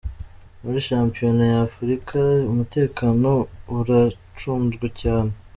Muri shampiyona ya Afurika umutekano uracunzwe cyane